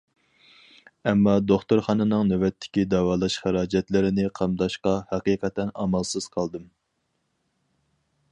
ئەمما دوختۇرخانىنىڭ نۆۋەتتىكى داۋالاش خىراجەتلىرىنى قامداشقا ھەقىقەتەن ئامالسىز قالدىم.